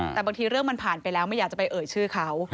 แต่บางทีเรื่องมันผ่านไปแล้วไม่อยากจะไปเอ่ยชื่อเขา